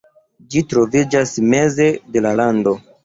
Ĝi troviĝas meze de la lando.